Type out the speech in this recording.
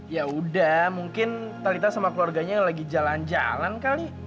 ya udah mungkin talitha sama keluarganya yang lagi jalan jalan kali